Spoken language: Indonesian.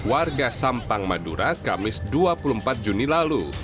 warga sampang madura kamis dua puluh empat juni lalu